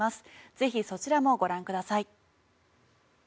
ぜひ、そちらもご覧ください。